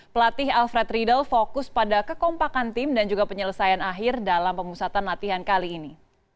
pelatih alfred riedel fokus pada kekompakan tim dan juga penyelesaian akhir dalam pemusatan latihan kali ini